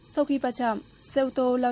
sau khi va chạm xe ô tô lao xong ven đường